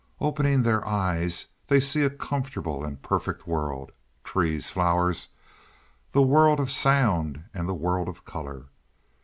Opening their eyes, they see a conformable and perfect world. Trees, flowers, the world of sound and the world of color.